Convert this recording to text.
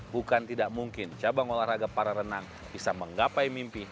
bukan tidak mungkin cabang olahraga para renang bisa menggapai mimpi